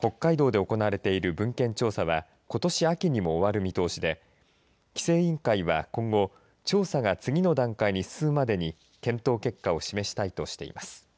北海道で行われている文献調査はことし秋にも終わる見通しで規制委員会は今後調査が次の段階に進むまでに検討結果を示したいとしています。